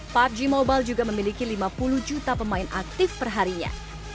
pubg mobile juga memiliki lima puluh juta pemain aktif perharinya